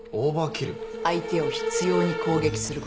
相手を執拗に攻撃すること。